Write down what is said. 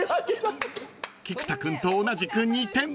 ［菊田君と同じく２点］